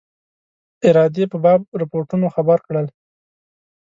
ارادې په باب رپوټونو خبر کړل.